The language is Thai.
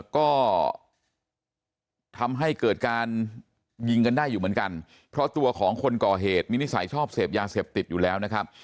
ก็ทำให้เกิดการยิงกันได้อยู่เหมือนกัน